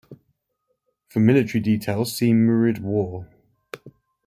For military details see Murid War.